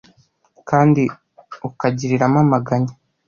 kandi ukangiriramo amaganya